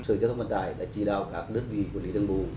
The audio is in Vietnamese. sở giáo thông vận tải đã chỉ đạo các nước vị quản lý đơn bù